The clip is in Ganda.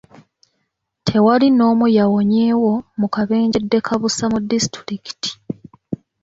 Tewali n'omu yawonyeewo mu kabenje ddekabusa mu disitulikiti.